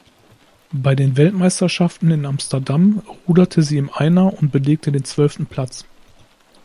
Bei den Weltmeisterschaften in Amsterdam ruderte sie im Einer und belegte den zwölften Platz.